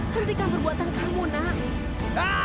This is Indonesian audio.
hentikan perbuatan kamu nak